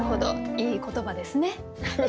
いい言葉ですね。